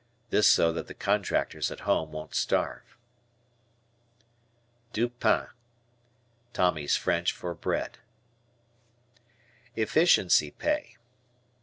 This so that the contractors at home won't starve. "Du pan." Tommy's French for bread. E Efficiency Pay.